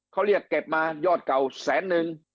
เขาเรียกเก็บมายอดเก่าแสนนึง